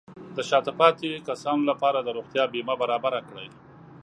د شاته پاتې کسانو لپاره د روغتیا بیمه برابر کړئ.